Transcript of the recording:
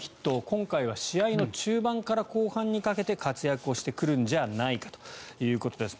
今回は試合の中盤から後半にかけて活躍してくるんじゃないかということです。